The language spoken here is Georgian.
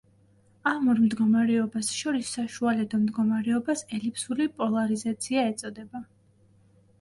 ამ ორ მდგომარეობას შორის საშუალედო მდგომარეობას ელიფსური პოლარიზაცია ეწოდება.